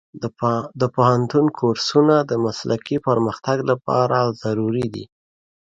د پوهنتون کورسونه د مسلکي پرمختګ لپاره ضروري دي.